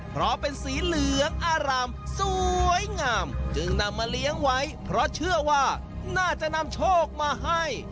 เพราะเป็นสีเหลืองอารามสวยงามจึงนำมาเลี้ยงไว้เพราะเชื่อว่าน่าจะนำโชคมาให้